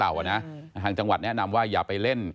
ทางจังหวัดแนะนำว่าอย่าไปเล่น